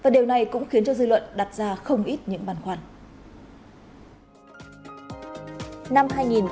điều này cũng khiến dư luận đặt ra không ít những bàn khoản